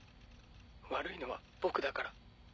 悪いのは僕だから。